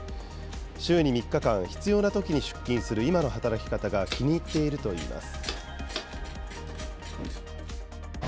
週に３日間、必要なときに出勤する今の働き方が気に入っているといいます。